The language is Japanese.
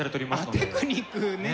テクニックねえ。